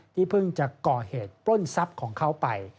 เพิ่งจะก่อเหตุปล้นทรัพย์ของเขาไป